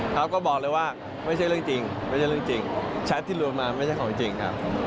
เขาก็บอกเลยว่าไม่ใช่เรื่องจริงไม่ใช่เรื่องจริงแชทที่รวมมาไม่ใช่ของจริงครับ